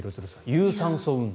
有酸素運動。